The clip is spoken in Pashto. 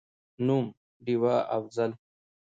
نوم: ډېوه«افضل»